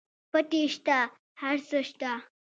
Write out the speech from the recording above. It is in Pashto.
پټی شته هر څه شته.